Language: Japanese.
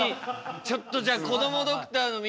ちょっとじゃこどもドクターの皆さん